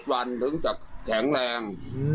สวด๗วันถึงจะแข็งแรง